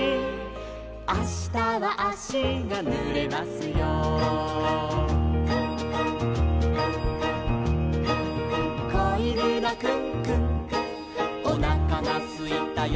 「『あしたはあしがぬれますよ』」「こいぬのクンクンおなかがすいたよ」